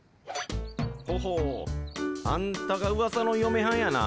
ほほうあんたがウワサのよめはんやな。